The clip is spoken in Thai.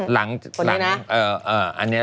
เหลือเกิน